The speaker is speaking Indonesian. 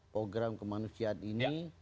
program kemanusiaan ini